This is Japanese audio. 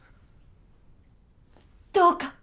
どうか。